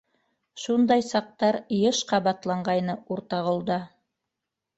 Шундай саҡтар йыш ҡабатланғайны Уртағолда.